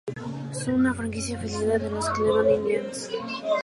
Son una franquicia afiliada de Los Cleveland Indians.